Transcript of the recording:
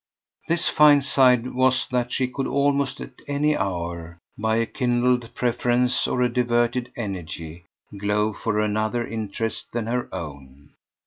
This fine side was that she could almost at any hour, by a kindled preference or a diverted energy, glow for another interest than her own.